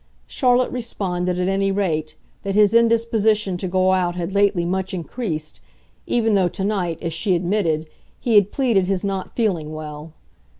Charlotte responded, at any rate, that his indisposition to go out had lately much increased even though to night, as she admitted, he had pleaded his not feeling well.